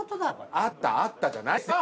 あったあったじゃないですよ！